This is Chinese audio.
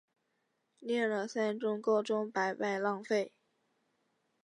念了三年高中白白浪费